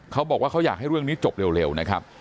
เขาบอกว่าเขาอยากให้เรื่องนี้จบเร็วนะครับ